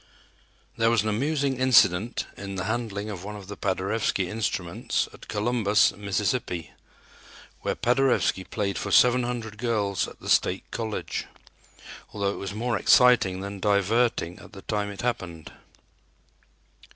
There was an amusing incident in the handling of one of the Paderewski instruments at Columbus, Mississippi, where Paderewski played for seven hundred girls at the State College, although it was more exciting than diverting at the time it happened.